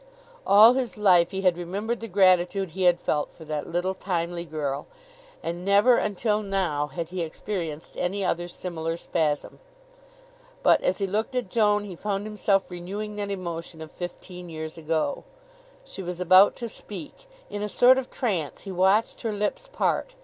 All his life he had remembered the gratitude he had felt for that little timely girl, and never until now had he experienced any other similar spasm. But as he looked at Joan he found himself renewing that emotion of fifteen years ago. She was about to speak. In a sort of trance he watched her lips part.